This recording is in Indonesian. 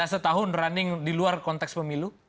setahun running di luar konteks pemilu